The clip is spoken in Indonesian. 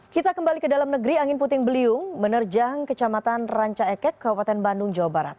kita kembali ke dalam negeri angin puting beliung menerjang kecamatan ranca ekek kabupaten bandung jawa barat